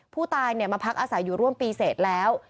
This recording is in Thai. ผู้ตายมาพักอาศัยอยู่ร่วมปีเสร็จแล้ว